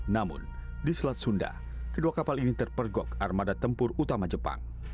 namun di selat sunda kedua kapal ini terpergok armada tempur utama jepang